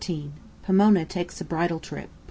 POMONA TAKES A BRIDAL TRIP.